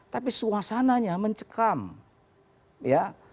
tapi suasananya mencekam ya